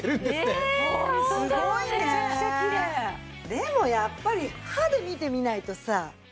でもやっぱり歯で見てみないとさ。